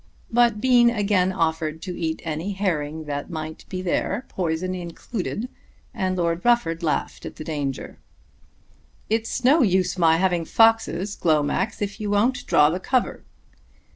But Bean again offered to eat any herring that might be there, poison included, and Lord Rufford laughed at the danger. "It's no use my having foxes, Glomax, if you won't draw the cover."